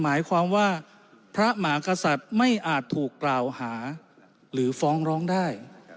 หมายความว่าพระมากษัตริย์ไม่อาจถูกกล่าวหาหรือฟ้องร้องได้